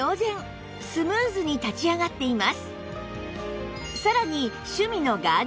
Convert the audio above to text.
スムーズに立ち上がっています